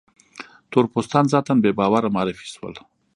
تور پوستان ذاتاً بې باوره معرفي شول.